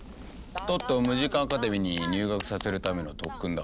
トットをムジカ・アカデミーに入学させるための特訓だ。